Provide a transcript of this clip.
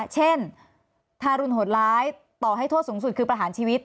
เช่นทารุณโหดร้ายต่อให้โทษสูงสุดคือประหารชีวิต